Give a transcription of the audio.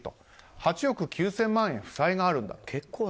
８億９０００万円負債があるんだと。